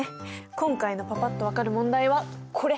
今回のパパっと分かる問題はこれ！